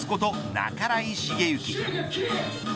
半井重幸。